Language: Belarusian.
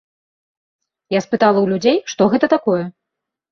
Я спытала ў людзей, што гэта такое.